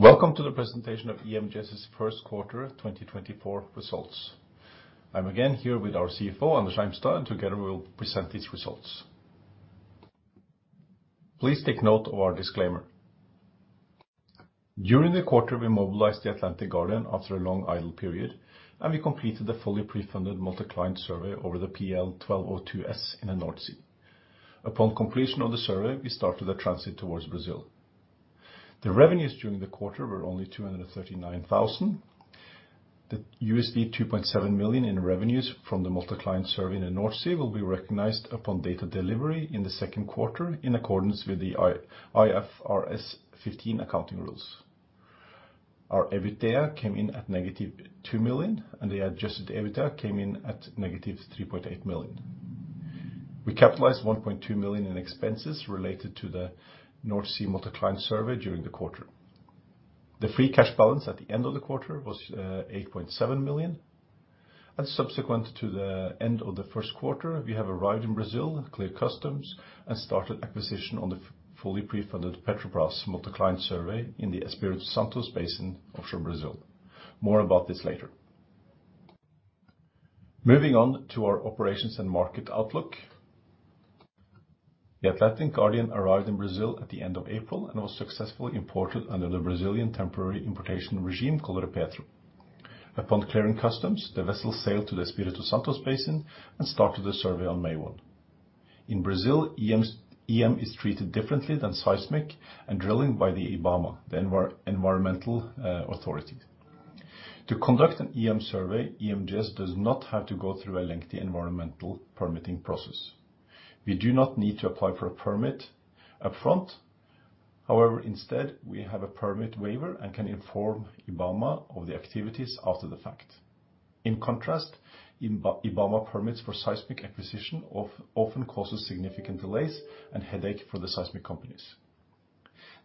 Welcome to the presentation of EMGS's first quarter 2024 results. I'm again here with our CFO, Anders Eimstad, and together we'll present these results. Please take note of our disclaimer. During the quarter we mobilized the Atlantic Guardian after a long idle period, and we completed the fully pre-funded multi-client survey over the PL 1202S in the North Sea. Upon completion of the survey we started the transit towards Brazil. The revenues during the quarter were only $239,000. The $2.7 million in revenues from the multi-client survey in the North Sea will be recognized upon data delivery in the second quarter in accordance with the IFRS 15 accounting rules. Our EBITDA came in at -$2 million, and the adjusted EBITDA came in at -$3.8 million. We capitalized $1.2 million in expenses related to the North Sea multi-client survey during the quarter. The free cash balance at the end of the quarter was $8.7 million. Subsequent to the end of the first quarter we have arrived in Brazil, cleared customs, and started acquisition on the fully pre-funded Petrobras multi-client survey in the Espírito Santo Basin offshore Brazil. More about this later. Moving on to our operations and market outlook. The Atlantic Guardian arrived in Brazil at the end of April and was successfully imported under the Brazilian temporary importation regime called a REPETRO. Upon clearing customs the vessel sailed to the Espírito Santo Basin and started the survey on May 1. In Brazil EM is treated differently than seismic and drilling by the IBAMA, the environmental authority. To conduct an EM survey EMGS does not have to go through a lengthy environmental permitting process. We do not need to apply for a permit upfront. However, instead we have a permit waiver and can inform IBAMA of the activities after the fact. In contrast, IBAMA permits for seismic acquisition often causes significant delays and headache for the seismic companies.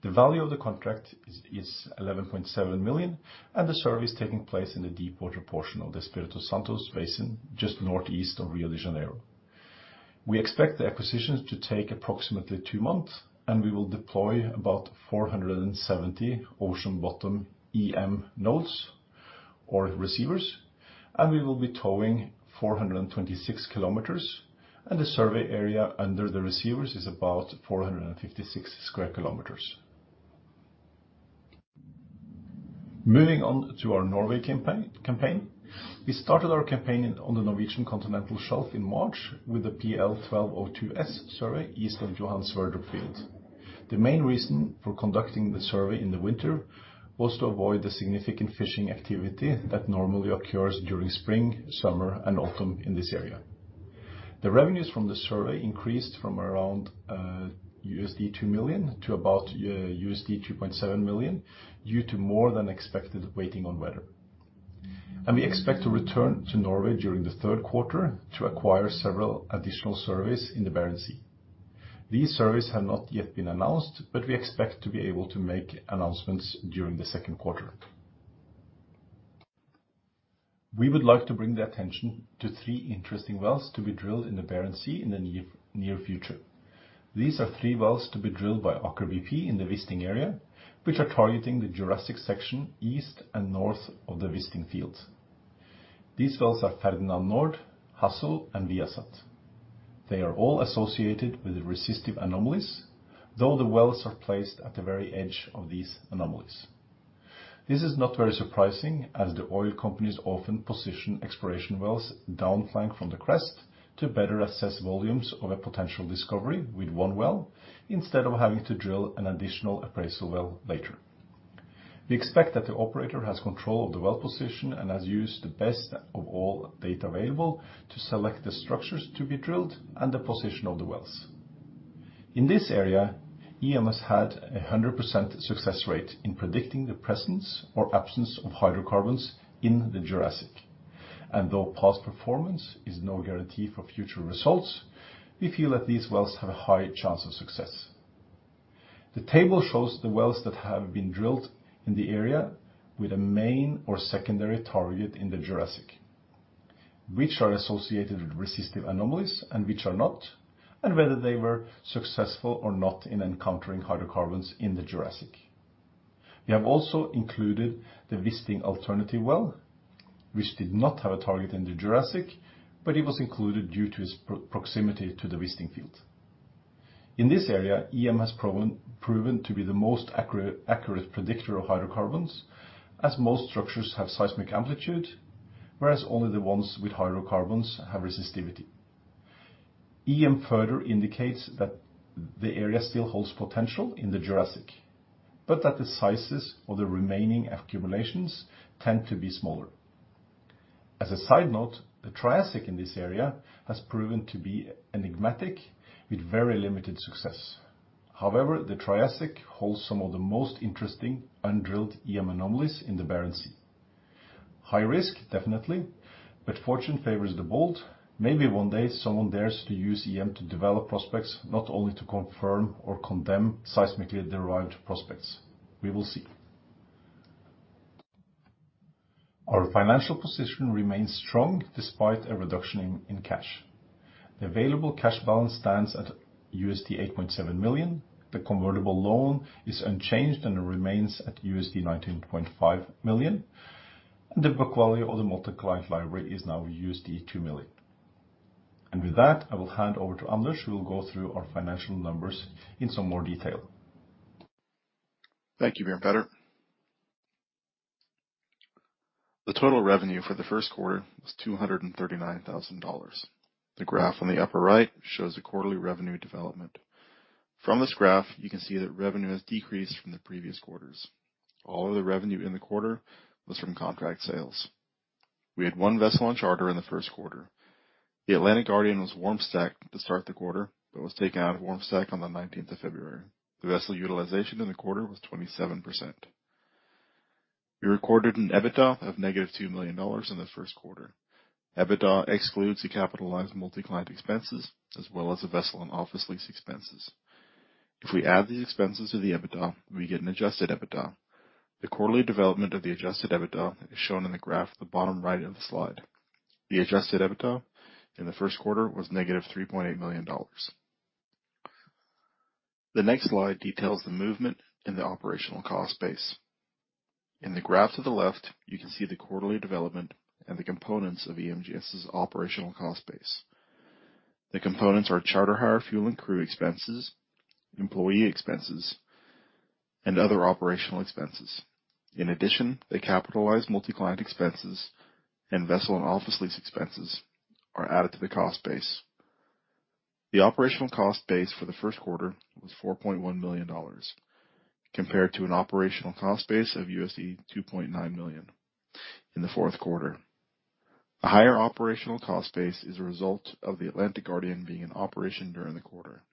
The value of the contract is $11.7 million and the survey is taking place in the deep water portion of the Espírito Santo Basin just northeast of Rio de Janeiro. We expect the acquisition to take approximately two months and we will deploy about 470 ocean bottom EM nodes or receivers, and we will be towing 426 km and the survey area under the receivers is about 456 sq km. Moving on to our Norway campaign. We started our campaign on the Norwegian Continental Shelf in March with the PL 1202S survey east of Johan Sverdrup Field. The main reason for conducting the survey in the winter was to avoid the significant fishing activity that normally occurs during spring, summer, and autumn in this area. The revenues from the survey increased from around $2 million to about $2.7 million due to more than expected waiting on weather. We expect to return to Norway during the third quarter to acquire several additional surveys in the Barents Sea. These surveys have not yet been announced, but we expect to be able to make announcements during the second quarter. We would like to bring the attention to three interesting wells to be drilled in the Barents Sea in the near future. These are three wells to be drilled by Aker BP in the Wisting area, which are targeting the Jurassic section east and north of the Wisting Field. These wells are Ferdinand Nord, Hassel, and Viasat. They are all associated with resistive anomalies, though the wells are placed at the very edge of these anomalies. This is not very surprising as the oil companies often position exploration wells downflank from the crest to better assess volumes of a potential discovery with one well instead of having to drill an additional appraisal well later. We expect that the operator has control of the well position and has used the best of all data available to select the structures to be drilled and the position of the wells. In this area EMGS had a 100% success rate in predicting the presence or absence of hydrocarbons in the Jurassic, and though past performance is no guarantee for future results, we feel that these wells have a high chance of success. The table shows the wells that have been drilled in the area with a main or secondary target in the Jurassic, which are associated with resistive anomalies and which are not, and whether they were successful or not in encountering hydrocarbons in the Jurassic. We have also included the Wisting alternative well, which did not have a target in the Jurassic, but it was included due to its proximity to the Wisting Field. In this area EM has proven to be the most accurate predictor of hydrocarbons, as most structures have seismic amplitude, whereas only the ones with hydrocarbons have resistivity. EM further indicates that the area still holds potential in the Jurassic, but that the sizes of the remaining accumulations tend to be smaller. As a side note, the Triassic in this area has proven to be enigmatic with very limited success. However, the Triassic holds some of the most interesting undrilled EM anomalies in the Barents Sea. High risk, definitely, but fortune favors the bold. Maybe one day someone dares to use EM to develop prospects, not only to confirm or condemn seismically derived prospects. We will see. Our financial position remains strong despite a reduction in cash. The available cash balance stands at $8.7 million. The convertible loan is unchanged and remains at $19.5 million. And the book value of the multi-client library is now $2 million. And with that, I will hand over to Anders, who will go through our financial numbers in some more detail. Thank you, Bjørn Petter. The total revenue for the first quarter was $239,000. The graph on the upper right shows the quarterly revenue development. From this graph, you can see that revenue has decreased from the previous quarters. All of the revenue in the quarter was from contract sales. We had one vessel on charter in the first quarter. The Atlantic Guardian was warm stacked to start the quarter, but was taken out of warm stack on the 19th of February. The vessel utilization in the quarter was 27%. We recorded an EBITDA of -$2 million in the first quarter. EBITDA excludes the capitalized multi-client expenses as well as the vessel and office lease expenses. If we add these expenses to the EBITDA, we get an adjusted EBITDA. The quarterly development of the adjusted EBITDA is shown in the graph at the bottom right of the slide. The adjusted EBITDA in the first quarter was -$3.8 million. The next slide details the movement in the operational cost base. In the graph to the left, you can see the quarterly development and the components of EMGS's operational cost base. The components are charter hire, fuel and crew expenses, employee expenses, and other operational expenses. In addition, the capitalized multi-client expenses and vessel and office lease expenses are added to the cost base. The operational cost base for the first quarter was $4.1 million compared to an operational cost base of $2.9 million in the fourth quarter. A higher operational cost base is a result of the Atlantic Guardian being in operation during the quarter.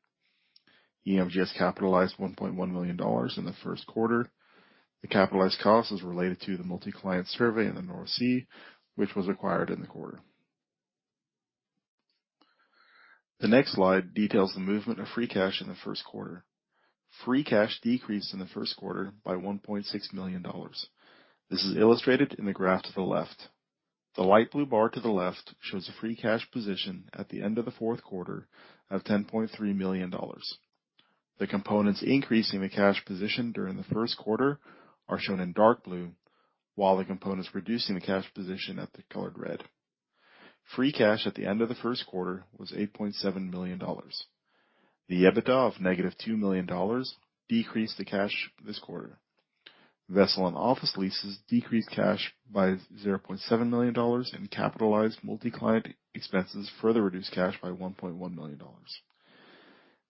EMGS capitalized $1.1 million in the first quarter. The capitalized cost is related to the multi-client survey in the North Sea, which was acquired in the quarter. The next slide details the movement of free cash in the first quarter. Free cash decreased in the first quarter by $1.6 million. This is illustrated in the graph to the left. The light blue bar to the left shows the free cash position at the end of the fourth quarter of $10.3 million. The components increasing the cash position during the first quarter are shown in dark blue, while the components reducing the cash position are colored red. Free cash at the end of the first quarter was $8.7 million. The EBITDA of -$2 million decreased the cash this quarter. Vessel and office leases decreased cash by $0.7 million and capitalized multi-client expenses further reduced cash by $1.1 million.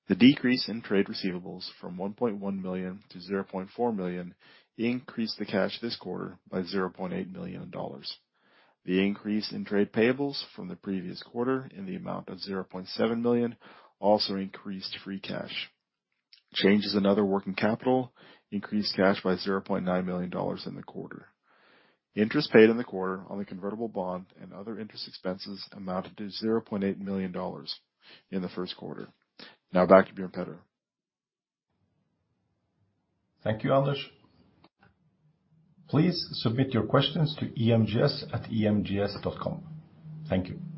The decrease in trade receivables from $1.1 million to $0.4 million increased the cash this quarter by $0.8 million. The increase in trade payables from the previous quarter in the amount of $0.7 million also increased free cash. Changes in another working capital increased cash by $0.9 million in the quarter. Interest paid in the quarter on the convertible bond and other interest expenses amounted to $0.8 million in the first quarter. Now back to Bjørn Petter. Thank you, Anders. Please submit your questions to emgs@emgs.com. Thank you.